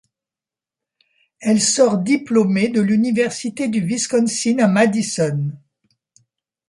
Elle sort diplômée de l'université du Wisconsin à Madison.